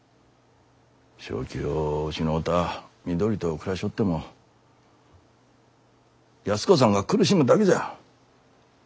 正気を失うた美都里と暮らしょおっても安子さんが苦しむだけじゃ。